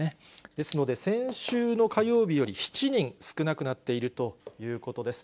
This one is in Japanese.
ですので、先週の火曜日より７人少なくなっているということです。